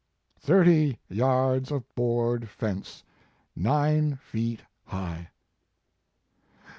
Thirty yards of board fence nine feet high.